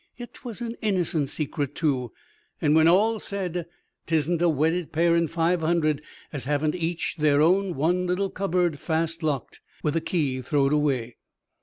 Yet 'twas an innocent secret, too; and, when all's said, 'tisn't a wedded pair in five hundred as haven't each their one little cupboard fast locked, with the key throwed away.